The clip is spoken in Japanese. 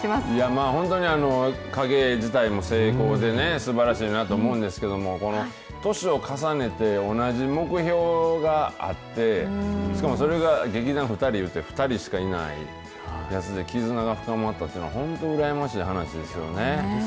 まあ、本当に影絵自体も精巧でね、すばらしいなと思うんですけども、この年を重ねて同じ目標があって、しかもそれが劇団ふたりいうて、２人しかいない、絆が深まったっていうのは、本当羨ましい話ですよね。